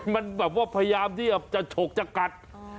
มันแบบว่าพยายามที่จะฉกจะกัด